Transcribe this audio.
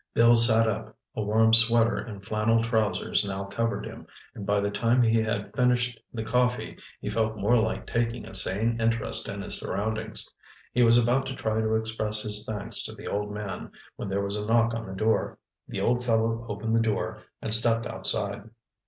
Bill sat up. A warm sweater and flannel trousers now covered him, and by the time he had finished the coffee, he felt more like taking a sane interest in his surroundings. He was about to try to express his thanks to the old man when there was a knock on the door. The old fellow opened the door and stepped outside.